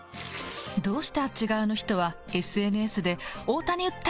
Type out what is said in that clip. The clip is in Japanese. どうしてあっち側の人はＳＮＳで大谷打った！